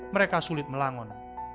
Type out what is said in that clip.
mereka sulit melangon